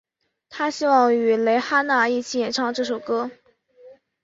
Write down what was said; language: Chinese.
她希望与蕾哈娜一起演唱这首歌。